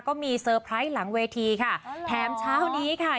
เซอร์ไพรส์หลังเวทีค่ะแถมเช้านี้ค่ะ